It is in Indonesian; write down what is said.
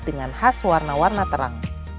dengan khas warna warna terang